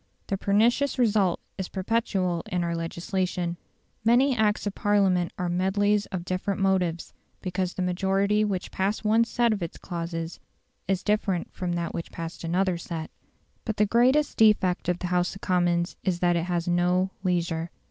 The pernicious result is perpetual in our legislation; many Acts of Parliament are medleys of different motives, because the majority which passed one set of its clauses is different from that which passed another set. But the greatest defect of the House of Commons is that it has no leisure.